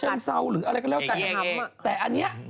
เชิงเศร้าหรืออะไรก็แล้วแต่อันนี้